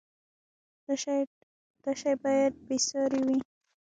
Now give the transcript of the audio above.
دا شی باید بې ساری وي.